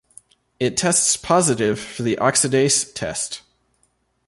It tests positive for the oxidase test.